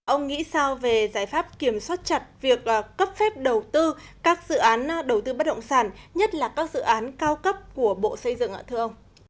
ông nghĩ sao về giải pháp kiểm soát chặt việc cấp phép đầu tư các dự án đầu tư bất động sản nhất là các dự án cao cấp của bộ xây dựng ạ thưa ông